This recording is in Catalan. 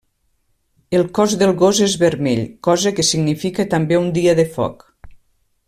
El cos del gos és vermell, cosa que significa també un dia de foc.